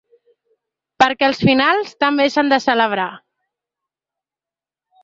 Perquè els finals també s’han de celebrar!